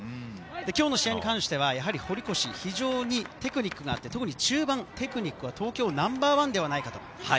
今日の試合に関しては、堀越は非常にテクニックがあって、特に中盤、テクニックは東京ナンバーワンではないか。